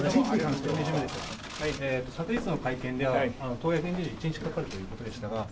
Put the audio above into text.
昨日の会見では、党役員人事に１日かかるということでしたが。